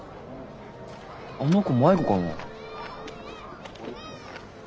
あの子迷子かな。